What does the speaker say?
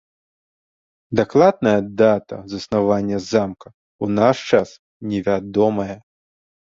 Дакладная дата заснавання замка ў наш час невядомая.